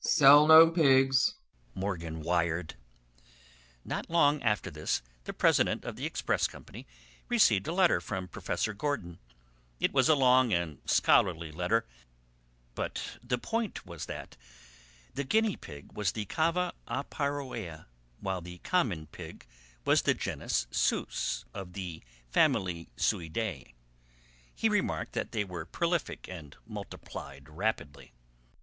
"Sell no pigs," Morgan wired. Not long after this the president of the express company received a letter from Professor Gordon. It was a long and scholarly letter, but the point was that the guinea pig was the Cava aparoea while the common pig was the genius Sus of the family Suidae. He remarked that they were prolific and multiplied rapidly.